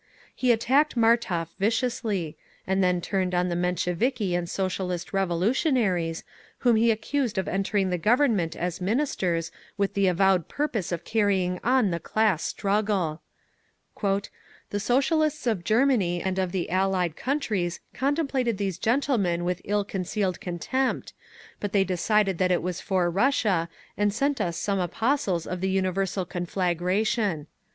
He attacked Martov viciously, and then turned on the Mensheviki and Socialist Revolutionaries, whom he accused of entering the Government as Ministers with the avowed purpose of carrying on the class struggle! "The Socialists of Germany and of the Allied countries contemplated these gentlemen with ill concealed contempt, but they decided that it was for Russia, and sent us some apostles of the Universal Conflagration….